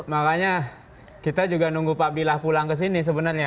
makanya kita juga nunggu pak abdillah pulang ke sini sebenarnya